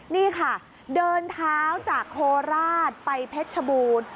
นี่ค่ะเดินเท้าจากโคราชไปเพชรชบูรณ์